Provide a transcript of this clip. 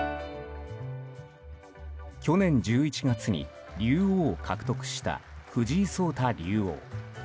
去年１１月に竜王を獲得した藤井聡太竜王。